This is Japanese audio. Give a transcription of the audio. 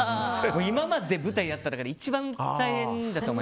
今まで舞台やった中で一番大変だと。